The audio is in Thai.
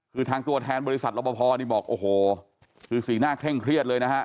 คือทางตัวแทนบริษัทรบพอนี่บอกโอ้โหคือสีหน้าเคร่งเครียดเลยนะฮะ